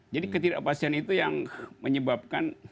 jadi ketidakpastian itu yang menyebabkan